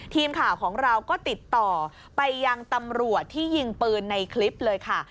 ทีมข่าวของเราก็ติดต่อไปยังตำรวจที่ยิงปืนในคลิปเลยค่ะ